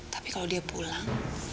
tapi kalau dia pulang